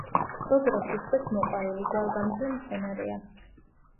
გოგრა სითბოს მოყვარული გვალვაგამძლე მცენარეა.